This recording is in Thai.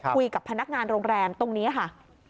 คุยกับพนักงานโรงแรมตรงนี้ค่ะ